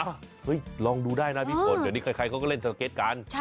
เฮ้ยลองดูได้นะพี่ฝนเดี๋ยวนี้ใครเขาก็เล่นสเก็ตกัน